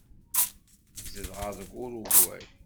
Zedɣeɣ deg Urugway.